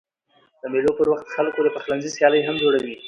د مېلو پر وخت خلک د پخلنځي سیالۍ هم جوړوي.